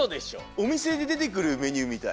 おみせででてくるメニューみたい。